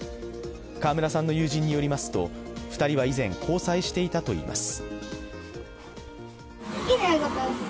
川村さんの友人によりますと、２人は以前、交際していたといいます。